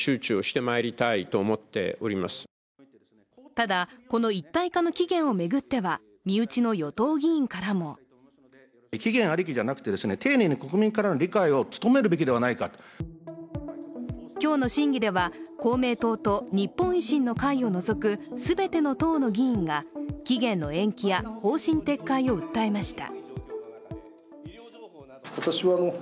ただこの一体化の期限を巡っては身内の与党議員からも今日の審議では、公明党と日本維新の会を除く全ての党の議員が期限の延期や方針撤回を訴えました。